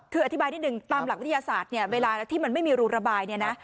คืออธิบายนิดนึงตามหลักวิทยาศาสตร์เนี่ยเวลาที่มันไม่มีรูระบายเนี่ยนะ